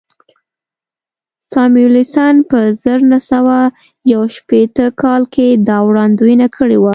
ساموېلسن په زر نه سوه یو شپېته کال کې دا وړاندوینه کړې وه